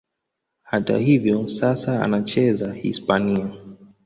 Hata hivyo, sasa anacheza Hispania.